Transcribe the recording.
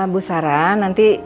bu sarah nanti